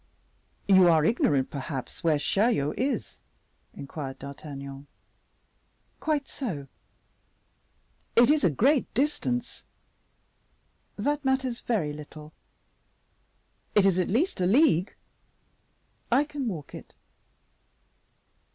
"You are ignorant, perhaps, where Chaillot is?" inquired D'Artagnan. "Quite so." "It is a great distance." "That matters very little." "It is at least a league." "I can walk it."